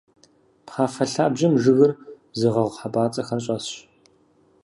Пхъафэ лъабжьэм жыгыр зыгъэгъу хьэпӀацӀэхэр щӀэсщ.